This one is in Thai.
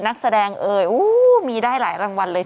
นักแสดงเอ่ยโอ้มีได้หลายรางวัลเลย